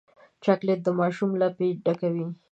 چاکلېټ د ماشوم لپې ډکوي.